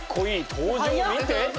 登場見て？